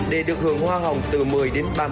để được hưởng hoa hồng từ một mươi đến ba mươi